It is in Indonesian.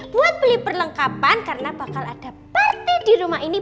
buat beli perlengkapan karena bakal ada pt di rumah ini